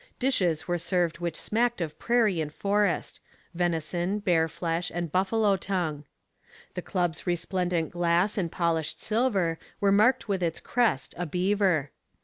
Dishes were served which smacked of prairie and forest venison, bear flesh, and buffalo tongue. The club's resplendent glass and polished silver were marked with its crest, a beaver.